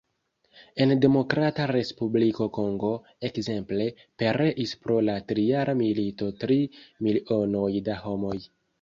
En Demokrata Respubliko Kongo, ekzemple, pereis pro la trijara milito tri milionoj da homoj.